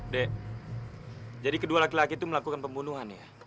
dek jadi kedua laki laki itu melakukan pembunuhan ya